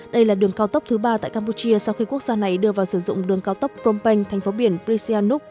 đây là đường cao tốc thứ ba tại campuchia sau khi quốc gia này đưa vào sử dụng đường cao tốc phonomenh prisianuk